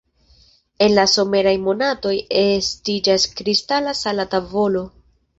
En la someraj monatoj estiĝas kristala sala tavolo.